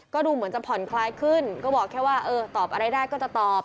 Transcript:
ก็ดูเหมือนจะผ่อนคลายขึ้นก็บอกแค่ว่าเออตอบอะไรได้ก็จะตอบ